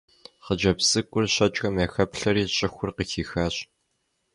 Хъыджэбз цӀыкӀур щэкӀхэм яхэплъэри щӀыхур къыхихащ.